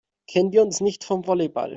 Kennen wir uns nicht vom Volleyball?